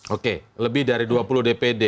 oke lebih dari dua puluh dpd